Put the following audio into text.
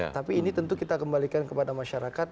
tapi ini tentu kita kembalikan kepada masyarakat